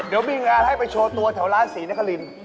เดี๋ยวมีงานให้ไปโชว์ตัวแถวร้านศรีนคริน